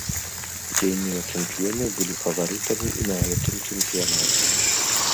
Дзейныя чэмпіёны былі фаварытамі і на гэтым чэмпіянаце.